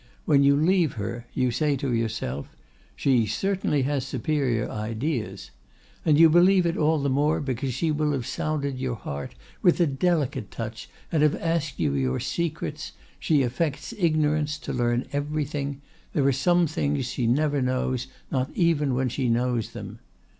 When you leave her you say to yourself: She certainly has superior ideas! And you believe it all the more because she will have sounded your heart with a delicate touch, and have asked you your secrets; she affects ignorance, to learn everything; there are some things she never knows, not even when she knows them.